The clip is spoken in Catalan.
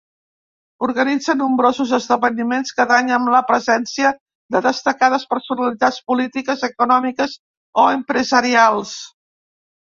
Organitza nombrosos esdeveniments cada any amb la presència de destacades personalitats polítiques, econòmiques o empresarials.